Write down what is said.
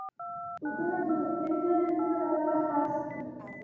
بوټونه د روغتیايي دلیلونو لپاره خاص وي.